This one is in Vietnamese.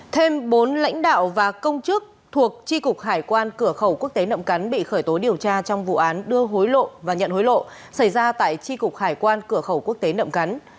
thêm bốn lãnh đạo và công chức thuộc tri cục hải quan cửa khẩu quốc tế nậm cắn bị khởi tố điều tra trong vụ án đưa hối lộ và nhận hối lộ xảy ra tại tri cục hải quan cửa khẩu quốc tế nậm cắn